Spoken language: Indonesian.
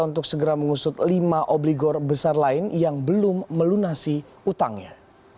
untuk segera mengusut lima obligor besar lain yang belum melunasi utangnya